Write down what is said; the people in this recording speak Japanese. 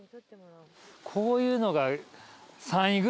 こういうのが。